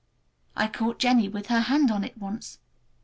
I caught Jennie with her hand on it once.